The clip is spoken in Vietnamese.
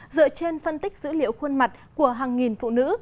dựa trên phân tích dữ liệu khuôn mặt của hàng nghìn phụ nữ